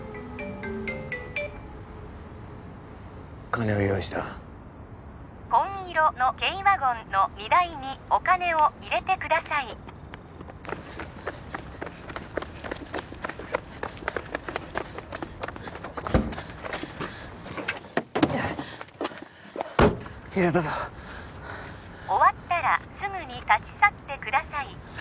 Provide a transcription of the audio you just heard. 金は用意した紺色の軽ワゴンの荷台にお金を入れてください入れたぞ終わったらすぐに立ち去ってください